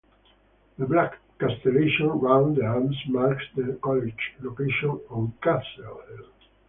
The black castellation round the arms marks the college's location on Castle Hill.